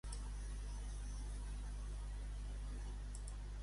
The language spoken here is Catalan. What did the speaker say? Què va desaparèixer-li, a en Biel?